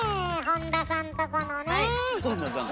本田さんとこのね。